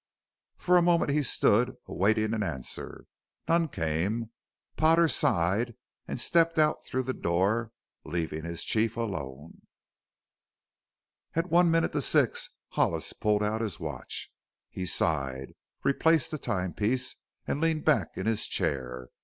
For a moment he stood, awaiting an answer. None came. Potter sighed and stepped out through the door, leaving his chief alone. At one minute to six Hollis pulled out his watch. He sighed, replaced the time piece, and leaned back in his chair.